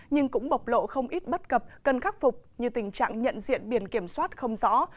nhưng cũng bộc lộ không ít bất cập cần khắc phục như tình trạng nhận diện biển kiểm soát không rõ